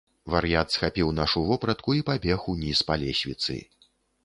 Вар'ят схапіў нашу вопратку і пабег уніз па лесвіцы.